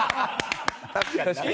確かにな。